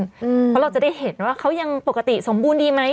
เพราะเราจะได้เห็นว่าเขายังปกติสมบูรณ์ดีไหม